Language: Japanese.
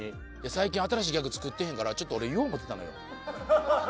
最近新しいギャグ作ってへんからちょっと俺言おう思うてたのよ。